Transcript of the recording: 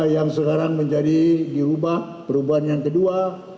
yang sekarang menjadi dirubah perubahan yang kedua